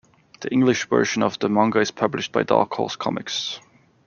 The English version of the manga is published by Dark Horse Comics.